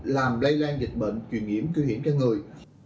làm lây lan dịch bệnh chuyển nhiễm cư hiểm cho người